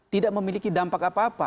tidak memiliki dampak apa apa